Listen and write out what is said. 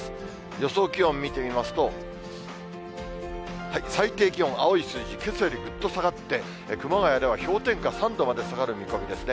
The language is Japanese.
予想気温見てみますと、最低気温、青い数字、けさよりぐっと下がって、熊谷では氷点下３度まで下がる見込みですね。